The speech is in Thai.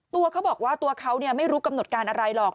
ตัวเขาบอกว่าตัวเขาไม่รู้กำหนดการอะไรหรอก